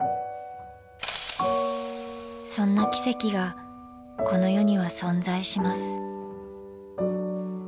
そんな奇跡がこの世には存在します。